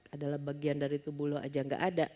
adalah bagian dari tubuh lo aja gak ada